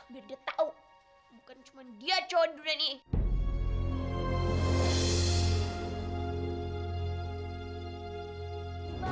biar dia tau bukan cuma dia cowok di dunia ini